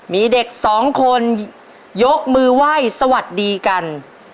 มีเด็กสองคนยกมือไหว้สวัสดีกัน